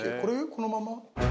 このまま？